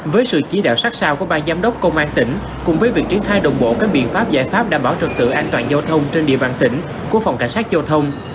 với sự chỉ đạo sát sao của ba giám đốc công an tỉnh cùng với việc triển khai đồng bộ các biện pháp giải pháp đảm bảo trật tự an toàn giao thông trên địa bàn tỉnh của phòng cảnh sát giao thông